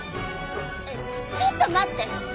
えっちょっと待って。